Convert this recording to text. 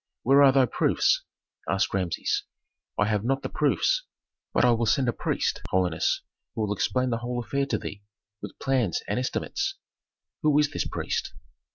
"Where are thy proofs?" asked Rameses. "I have not the proofs, but I will send a priest, holiness, who will explain the whole affair to thee, with plans and estimates." "Who is this priest?"